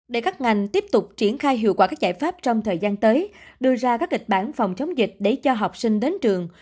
để các ngành tiếp tục triển khai hiệu quả các giải pháp trong thời gian tới đưa ra các kịch bản phòng chống dịch để cho học sinh đến trường